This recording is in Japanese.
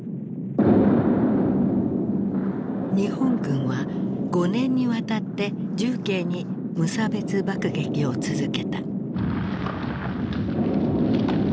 日本軍は５年にわたって重慶に無差別爆撃を続けた。